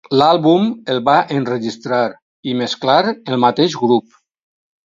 L'àlbum el va enregistrar i mesclar el mateix grup.